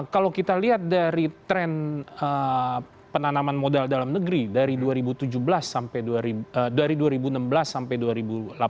kalau kita lihat dari tren penanaman modal dalam negeri dari dua ribu enam belas sampai dua ribu delapan belas